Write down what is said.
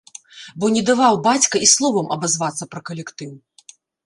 Бо не даваў бацька і словам абазвацца пра калектыў.